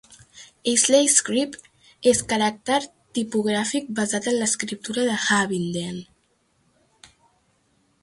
Ashley Script és caràcter tipogràfic basat en l'escriptura de Havinden.